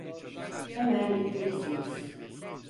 Hemen gitmelisiniz.